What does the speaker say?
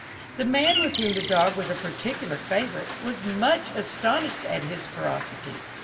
The man, with whom the dog was a particular favourite, was much astonished at his ferocity.